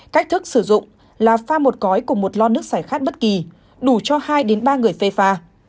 cách thức sử dụng là pha một cói cùng một lon nước xảy khát bất kỳ đủ cho hai ba người phê pha